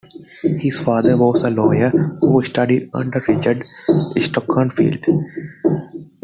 His father was a lawyer who studied under Richard Stockton Field.